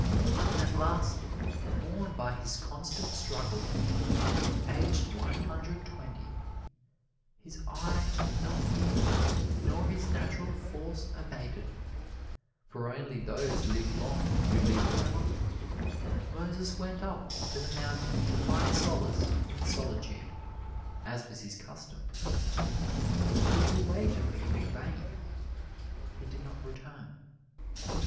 At last, worn by his constant struggle, aged one hundred twenty, "his eye not dim nor his natural force abated" for only those live long who live well Moses went up into the mountain to find solace in solitude as was his custom. His people waited for him in vain he did not return.